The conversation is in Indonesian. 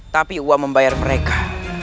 tapi uang membayar mereka